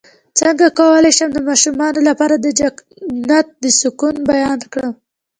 څنګه کولی شم د ماشومانو لپاره د جنت د سکون بیان کړم